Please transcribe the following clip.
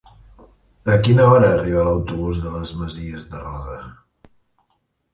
A quina hora arriba l'autobús de les Masies de Roda?